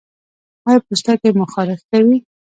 ایا پوستکی مو خارښ کوي؟